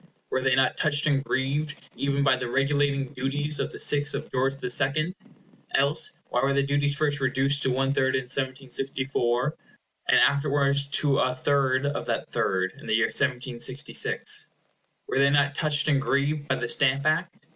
Were they not touched and grieved even by the regulating duties of the sixth of George the Second? Else, why were the duties first reduced to one third in 1764, and afterwards to a third of that third in the year 1766? Were they not touched and grieved by the Stamp Act?